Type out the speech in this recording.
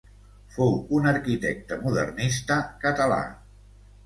Fou un arquitecte modernista català.